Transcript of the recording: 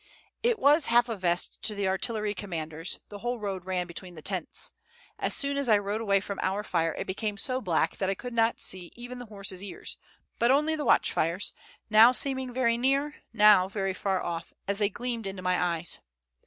It was half a verst to the artillery commander's, the whole road ran between the tents. As soon as I rode away from our fire, it became so black that I could not see even the horse's ears, but only the watch fires, now seeming very near, now very far off, as they gleamed into my eyes.